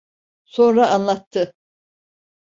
Sonra anlattı.